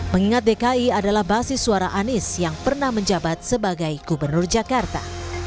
mengingat dki adalah basis suara anies yang pernah menjabat sebagai gubernur jakarta